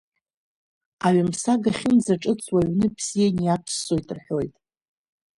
Аҩымсаг ахьынӡаҿыцу аҩны бзианы иаԥссоит рҳәоит.